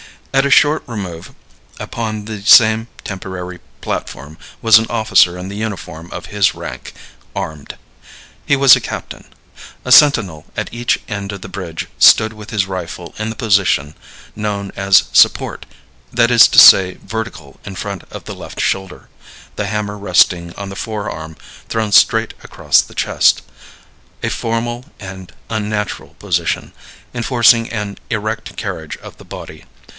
At a short remove upon the same temporary platform was an officer in the uniform of his rank, armed. He was a captain. A sentinel at each end of the bridge stood with his rifle in the position known as "support" that is to say, vertical in front of the left shoulder, the hammer resting on the forearm thrown straight across the chest a formal and unnatural position, enforcing an erect carriage of the body.